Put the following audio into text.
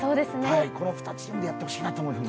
この２チームでやってほしいなと思います。